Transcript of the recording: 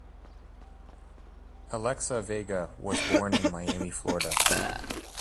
Alexa Vega was born in Miami, Florida.